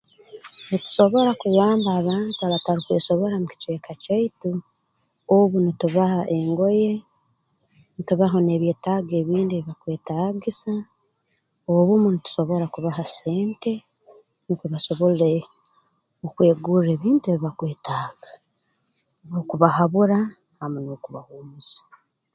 Nitusobora kuyamba abantu abatarukwesobora mu kicweka kyaitu obu nitubaha engoye ntubaha n'ebyetaago ebindi ebi bakwetaagisa obumu ntusobora kubaha sente nukwo basobole okwegurra ebintu ebi bakwetaaga n'okubahabura hamu n'okubahuumuza